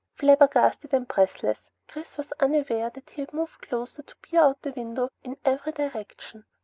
Flabbergasted and breathless, Chris was unaware that he had moved closer to peer out the window in every direction.